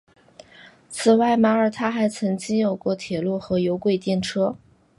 此外马尔他还曾经有过铁路和有轨电车。